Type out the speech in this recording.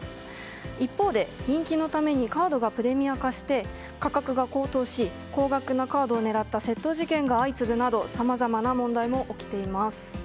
一方で、人気のためにカードがプレミア化して価格が高騰し高額なカードを狙った窃盗事件が相次ぐなどさまざまな問題も起きています。